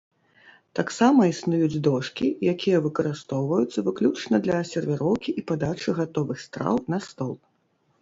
Таксама існуюць дошкі, якія выкарыстоўваюцца выключна для сервіроўкі і падачы гатовых страў на стол.